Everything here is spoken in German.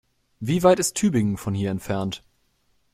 Wie weit ist Tübingen von hier entfernt?